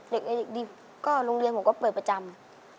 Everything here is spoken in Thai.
เด็กเอ๋ยเด็กดีรุงเรียนผมก็เปิดประจำ